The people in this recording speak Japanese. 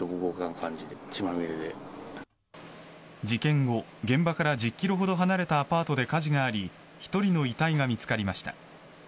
事件後現場から１０ｋｍほど離れたアパートで火事があり１人の遺体が見つかりました。